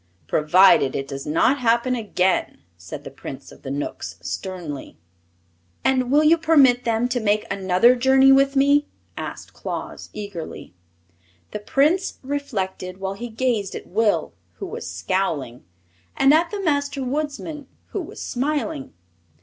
"Provided it does not happen again," said the Prince of the Knooks, sternly. "And will you permit them to make another journey with me?" asked Claus, eagerly. The Prince reflected while he gazed at Will, who was scowling, and at the Master Woodsman, who was smiling.